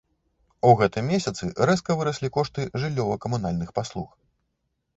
У гэтым месяцы рэзка выраслі кошты жыллёва-камунальных паслуг.